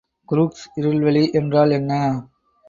Crookes இருள்வெளி என்றால் என்ன?